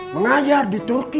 mengajar di turki